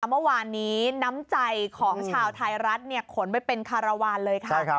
เมื่อวานนี้น้ำใจของชาวไทยรัฐขนไปเป็นคารวาลเลยค่ะ